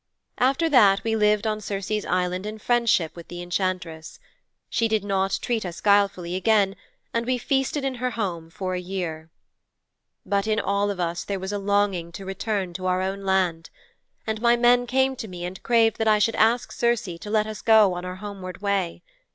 'After that we lived on Circe's island in friendship with the enchantress. She did not treat us guilefully again and we feasted in her house for a year.' 'But in all of us there was a longing to return to our own land. And my men came to me and craved that I should ask Circe to let us go on our homeward way.